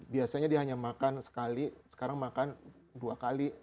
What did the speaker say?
biasanya dia hanya makan sekali sekarang makan dua kali